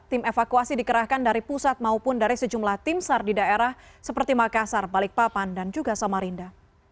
tim evakuasi dikerahkan dari pusat maupun dari sejumlah tim sar di daerah seperti makassar balikpapan dan juga samarinda